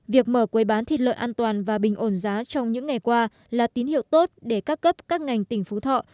việc mở quầy bán thịt lợn an toàn và bình ổn giá trong những ngày qua là tín hiệu tốt để các cấp các ngành tỉnh phú thọ